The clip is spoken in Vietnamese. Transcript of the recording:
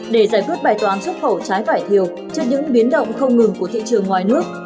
để giải quyết bài toán xuất khẩu trái vải thiều trước những biến động không ngừng của thị trường ngoài nước